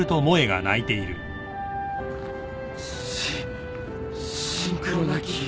シシンクロ泣き。